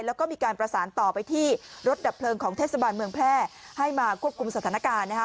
แล้วก็มีการประสานต่อไปที่รถดับเพลิงของเทศบาลเมืองแพร่ให้มาควบคุมสถานการณ์นะคะ